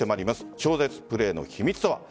超絶プレーの秘密とは。